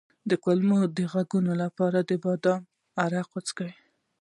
د کولمو د غږونو لپاره د بادیان عرق وڅښئ